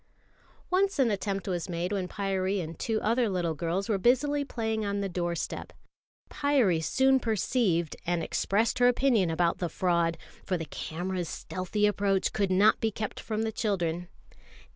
Once an attempt was made when Pyârie and two other little girls were busily playing on the doorstep. Pyârie soon perceived and expressed her opinion about the fraud for the camera's stealthy approach could not be kept from the children.